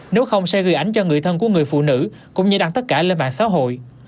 nếu không sẽ gây ảnh cho người thân của người phụ nữ cũng như đăng tất cả lên mạng xã hội